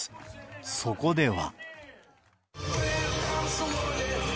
そこでは。